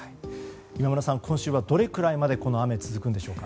今村さん、今週はどれくらいまでこの雨続くんでしょうか？